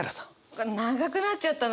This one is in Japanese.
長くなっちゃったな。